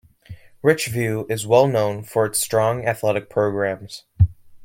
Richview is well known for its strong athletic programs.